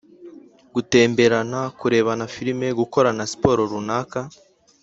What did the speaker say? gutemberana, kurebana films, gukorana sport runaka,